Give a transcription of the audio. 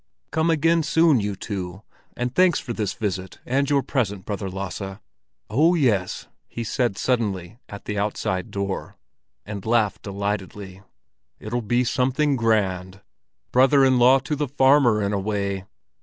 "Come again soon, you two, and thanks for this visit and your present, Brother Lasse! Oh, yes!" he said suddenly at the outside door, and laughed delightedly; "it'll be something grand—brother in law to the farmer in a way!